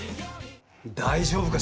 大丈夫か？